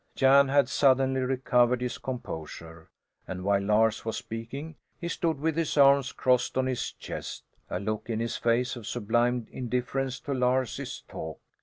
Jan had suddenly recovered his composure and while Lars was speaking, he stood with his arms crossed on his chest a look in his face of sublime indifference to Lars's talk.